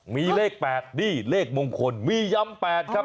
มีเลข๘นี่เลขมงคลมียำ๘ครับ